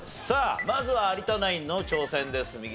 さあまずは有田ナインの挑戦です。